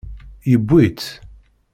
Yewwi-tt.